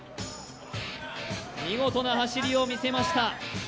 見事な走りを見せました